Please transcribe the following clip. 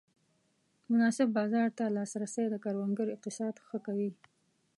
مناسب بازار ته لاسرسی د کروندګر اقتصاد ښه کوي.